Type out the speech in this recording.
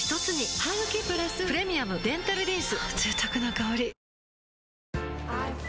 ハグキプラス「プレミアムデンタルリンス」